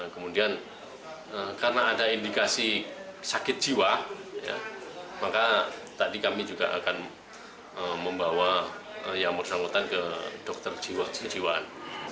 kemudian karena ada indikasi sakit jiwa maka tadi kami juga akan membawa yang bersangkutan ke dokter kejiwaan